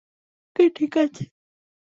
ওকে ঠিক আছে।